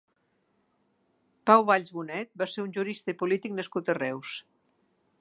Pau Valls Bonet va ser un jurista i polític nascut a Reus.